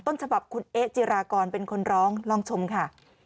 ต้นฉบับคุณเอ๊ะจิรากรเป็นคนร้องลองชมค่ะ